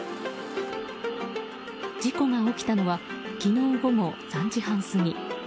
事故が起きたのは昨日午後３時半過ぎ。